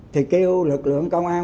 thì kêu lực lượng công an